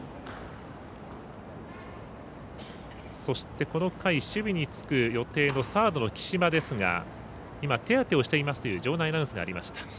そして、この回守備につく予定のサードの貴島ですが手当てをしていますという場内アナウンスがありました。